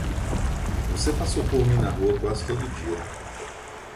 Você passou por mim na rua quase todo dia.